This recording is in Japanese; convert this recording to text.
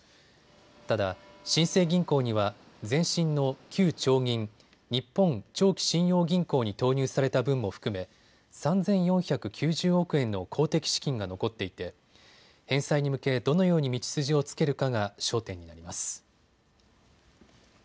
ただ新生銀行には前身の旧長銀・日本長期信用銀行に投入された分も含め３４９０億円の公的資金が残っていて返済に向けどのように道筋をつけるかが焦点になります。